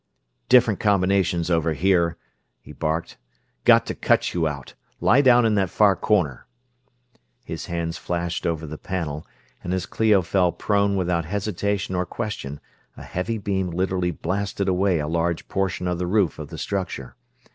"Different combinations over here!" he barked. "Got to cut you out lie down in that far corner!" His hands flashed over the panel, and as Clio fell prone without hesitation or question a heavy beam literally blasted away a large portion of the roof of the structure.